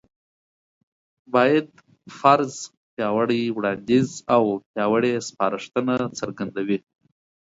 بايد: فرض، پياوړی وړانديځ او پياوړې سپارښتنه څرګندوي